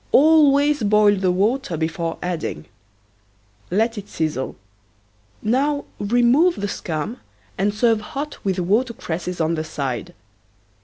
Always boil the water before adding. Let it sizzle. Now remove the skum and serve hot with watercresses on the side.